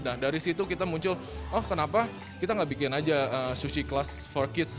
nah dari situ kita muncul oh kenapa kita gak bikin aja sushi kelas for kids